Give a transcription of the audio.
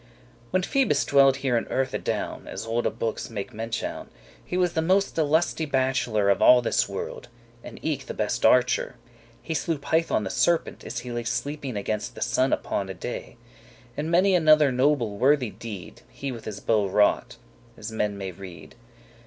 <1> When Phoebus dwelled here in earth adown, As olde bookes make mentioun, He was the moste lusty* bacheler *pleasant Of all this world, and eke* the best archer. *also He slew Python the serpent, as he lay Sleeping against the sun upon a day; And many another noble worthy deed He with his bow wrought, as men maye read.